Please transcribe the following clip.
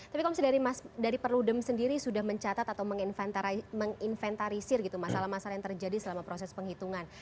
tapi dari perludem sendiri sudah mencatat atau menginventarisir gitu masalah masalah yang terjadi selama proses penghitungan